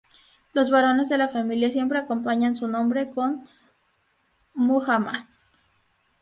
Los varones de la familia siempre acompañan su nombre com Muhammad.